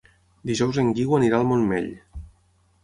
Dijous en Guiu anirà al Montmell.